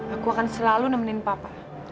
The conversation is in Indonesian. aku akan selalu nemenin papa